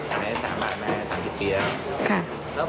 ขาย๓บาทแม่๓๐ปีแล้ว